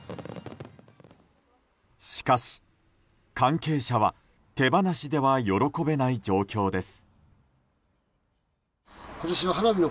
しかし、関係者は手放しでは喜べない状況です。